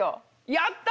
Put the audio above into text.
やった！